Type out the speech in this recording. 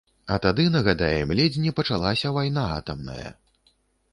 А тады, нагадаем, ледзь не пачалася вайна атамная.